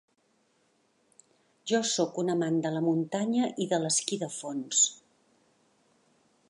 Jo sóc un amant de la muntanya i de l’esquí de fons.